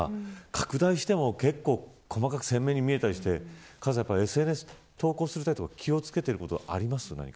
拡大しても細かく鮮明に見えたりしてカズさん、ＳＮＳに投稿されるときに気を付けていることありますか。